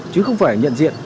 chứ không phải nhận diện